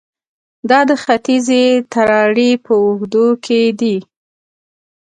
دا د ختیځې تراړې په اوږدو کې دي